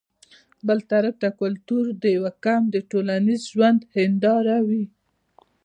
بل طرف ته کلتور د يو قام د ټولنيز ژوند هنداره وي